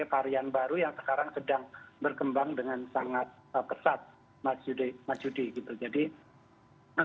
karena apapun yang datang dari luar negeri juga harus dicurigakan